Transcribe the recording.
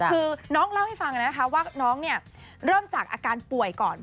คือน้องเล่าให้ฟังนะคะว่าน้องเนี่ยเริ่มจากอาการป่วยก่อน